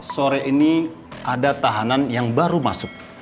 sore ini ada tahanan yang baru masuk